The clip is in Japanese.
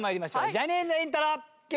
ジャニーズイントロＱ。